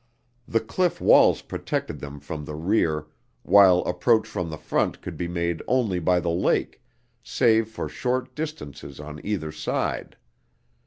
The cliff walls protected them from the rear, while approach from the front could be made only by the lake, save for short distances on either side.